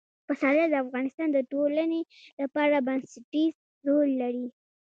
پسرلی د افغانستان د ټولنې لپاره بنسټيز رول لري.